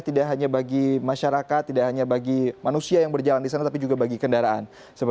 tidak hanya bagi masyarakat tidak hanya bagi manusia yang berjalan di sana tapi juga bagi kendaraan